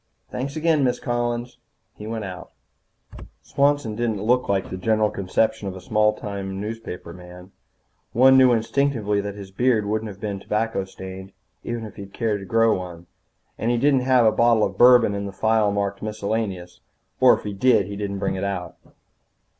"Thanks again, Miss Collins." He went out. Swanson didn't look like the general conception of a small town newspaperman. One knew instinctively that his beard wouldn't have been tobacco stained even if he'd cared to grow one. And he didn't have a bottle of bourbon in the file marked Miscellaneous, or if he did he didn't bring it out.